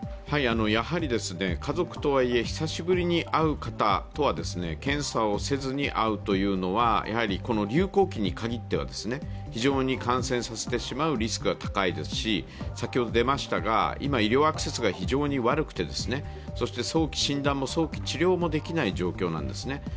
やはり家族とはいえ、久しぶりに会う方とは検査をせずに会うというのは、この流行期にかぎっては非常に感染させてしまうリスクが高いですし今、医療アクセスが非常に悪くて早期診断も早期治療もできない状況なんですね。